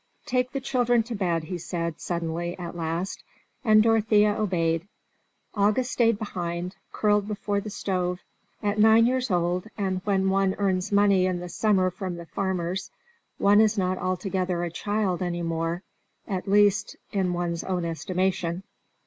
"Take the children to bed," he said, suddenly, at last, and Dorothea obeyed. August stayed behind, curled before the stove; at nine years old, and when one earns money in the summer from the farmers, one is not altogether a child any more, at least in one's own estimation.